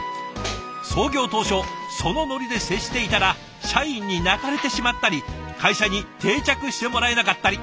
創業当初そのノリで接していたら社員に泣かれてしまったり会社に定着してもらえなかったり。